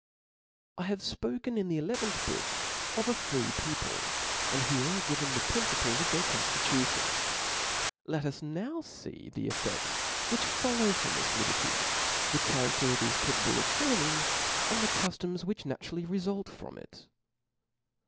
(«) Ch. 6. I have fpoken in the eleventh Book (•) of a frrt people, and have given the principles of their coo« i^itution : let Us now fee the effe^s which follow from this liberty, the charader it is capable of forming, and the cuftoms which naturally refulc from it.